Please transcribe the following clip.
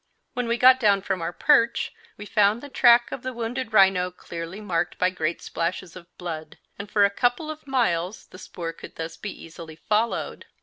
When we got down from our perch, we found the track of the wounded rhino clearly marked by great splashes of blood, and for a couple of miles the spoor could thus be easily followed.